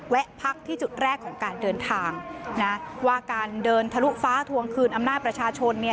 พักที่จุดแรกของการเดินทางนะว่าการเดินทะลุฟ้าทวงคืนอำนาจประชาชนเนี่ย